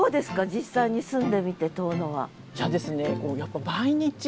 実際に住んでみて遠野は。